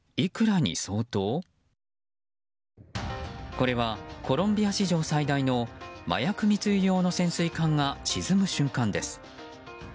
これはコロンビア史上最大の麻薬密輸用の潜水艦が沈む瞬間です。